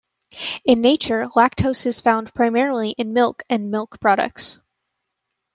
In nature, lactose is found primarily in milk and milk products.